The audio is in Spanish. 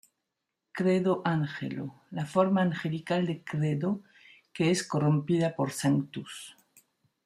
Credo Angelo: La forma angelical de Credo, que es corrompida por Sanctus.